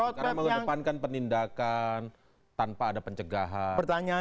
karena mengedepankan penindakan tanpa ada pencegahan